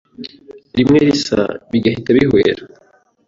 rimwe risa bigahita bihwera